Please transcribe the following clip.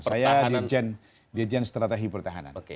saya di jen strategi pertahanan